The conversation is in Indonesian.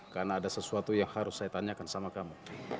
karena ada sesuatu yang harus saya tanyakan sama kamu